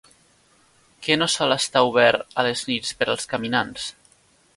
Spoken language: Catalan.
Què no sol estar obert a les nits per als caminants?